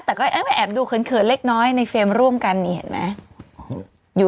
แต่ก็ไปแอบดูเขินเล็กน้อยในเฟรมร่วมกันนี่เห็นไหม